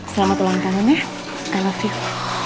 selamat ulang tahun ya i love you